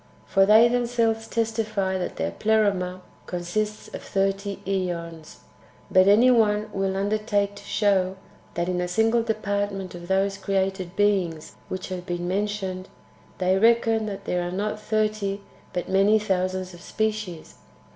For they themselves testify that their Pleroma consists of thirty ^ons ; but any one will undertake to show that, in a single department of those [created beings] which have been mentioned, they reckon that there are not thirty, but many thousands of species.